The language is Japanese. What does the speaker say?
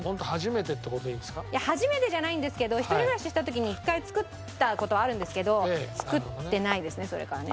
初めてじゃないんですけど１人暮らしした時に１回作った事はあるんですけど作ってないですねそれからね。